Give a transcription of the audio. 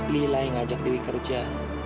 lila yang ngajak dewi kerja